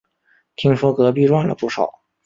听说隔壁赚了不少